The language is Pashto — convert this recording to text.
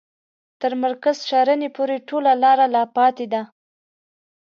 تر مرکز شرنې پوري ټوله لار لا پاته ده.